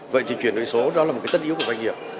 vậy thì chuyển đổi số đó là một cái tất yếu của doanh nghiệp